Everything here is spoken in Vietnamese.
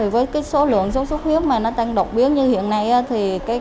với số lượng suốt suốt huyết mà nó tăng động biến như hiện nay